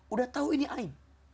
udah tahu ini aib